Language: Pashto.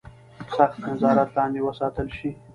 سخت نظارت لاندې وساتل شي.